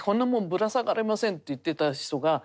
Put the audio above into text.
ぶら下がれません」って言ってた人が。